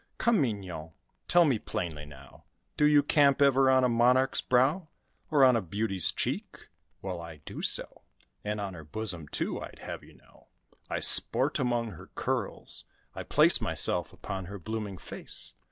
Come, Mignon, tell me plainly now, Do you camp ever on a monarch's brow, Or on a beauty's cheek? Well, I do so, And on her bosom, too, I'd have you know. I sport among her curls; I place Myself upon her blooming face.